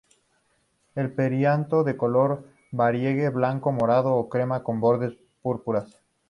El perianto de color variable, blanco, morado o crema con bordes púrpuras.